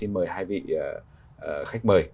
mời hai vị khách mời